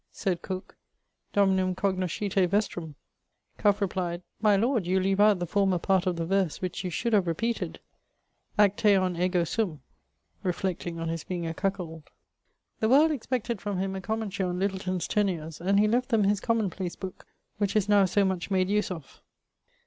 Said Cooke 'Dominum cognoscite vestrum'; Cuff replied,'My lord, you leave out the former part of the verse, which you should have repeated, Acteon ego sum' reflecting on his being a cuckold. The world expected from him a commentary on Littleton's Tenures; and he left them his Common place book, which is now so much made use of.